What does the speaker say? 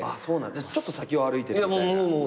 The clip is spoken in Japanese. ちょっと先を歩いてるみたいな。